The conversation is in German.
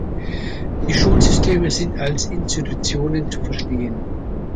Die Schulsysteme sind als Institutionen zu verstehen.